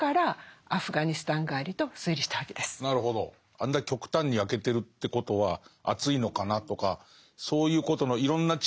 「あんな極端に焼けてるってことは暑いのかな」とかそういうことのいろんな知識の組み合わせで分かっちゃう。